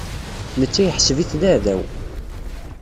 Netta yeḥseb-it d aɛdaw.